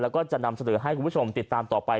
แล้วก็จะนำเสนอให้คุณผู้ชมติดตามต่อไป